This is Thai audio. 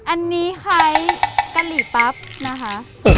อันนี้คล้ายกะหรี่ปั๊บนะคะ